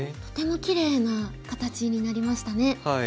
とてもきれいな形になりましたね。